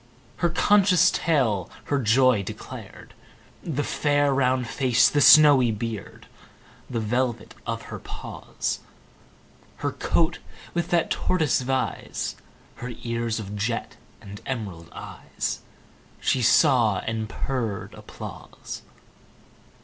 Her conscious tail her joy declared; The fair round face, the snowy beard, The velvet of her paws, Her coat, that with the tortoise vies, Her ears of jet, and emerald eyes, She saw; and purr'd applause.